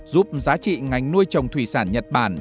giúp giá trị ngành nuôi trồng thủy sản nhật bản